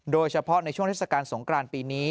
โดยเฉพาะในช่วงเทศกาลสงกรานปีนี้